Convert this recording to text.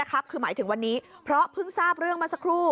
คือหมายถึงวันนี้เพราะเพิ่งทราบเรื่องมาสักครู่